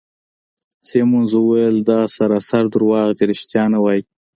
سیمونز وویل: دا سراسر درواغ دي، ریښتیا نه وایې.